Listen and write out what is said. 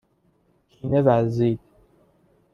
کینه ورزید